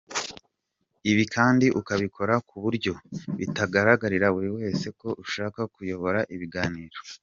Ibi kandi ukabikora ku buryo bitagaragarira buri wese ko ushaka kuyobora ibiganiro.